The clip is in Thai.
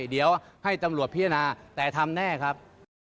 เดี๋ยวให้ตำรวจพิจารณาแต่ทำแน่ครับ